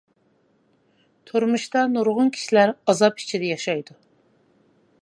تۇرمۇشتا نۇرغۇن كىشىلەر ئازاب ئىچىدە ياشايدۇ.